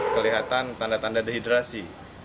kelihatan tanda tanda dehidrasi